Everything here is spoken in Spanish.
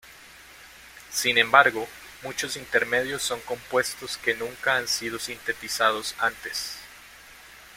Sin embargo muchos intermedios son compuestos que nunca han sido sintetizados antes.